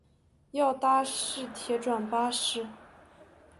要搭市铁转巴士